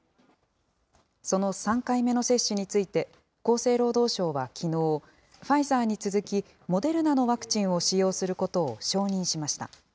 その３回目の接種について、厚生労働省はきのう、ファイザーに続きモデルナのワクチンを使用することを承認しました。